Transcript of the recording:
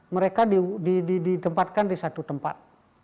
mereka ditempatkan di satu tempat